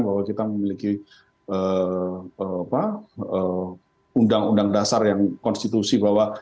bahwa kita memiliki undang undang dasar yang konstitusi bahwa